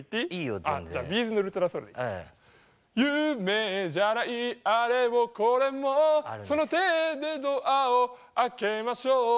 「夢じゃないあれもこれもその手でドアを開けましょう」